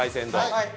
はい。